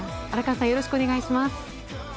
荒川さん、よろしくお願いします。